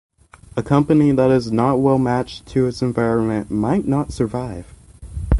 A company that is not well matched to its environment might not survive.